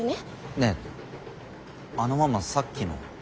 ねえあのママさっきの。